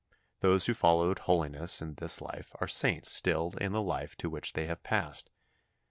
Those who followed holiness in this life are saints still in the life to which they have passed.